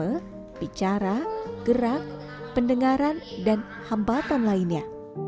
perkembangan autisme bicara gerak pendengaran dan hambatan lainnya